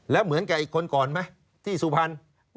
แล้วเหมือนกับอีกคนก่อนไหมที่สุพรรณ